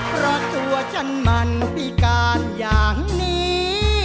เพราะตัวฉันมันพิการอย่างนี้